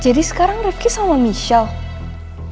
jadi sekarang riffy sama michelle